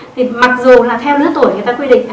thì mặc dù là theo lứa tuổi người ta quy định